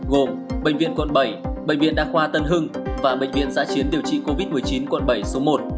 gồm bệnh viện quận bảy bệnh viện đa khoa tân hưng và bệnh viện giãi chiến điều trị covid một mươi chín quận bảy số một